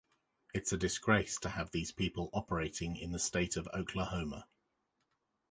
It's a disgrace to have these people operating in the state of Oklahoma.